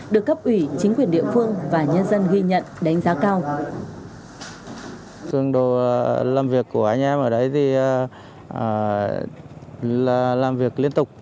được cấp ủy chính quyền địa phương và nhân dân ghi nhận đánh giá cao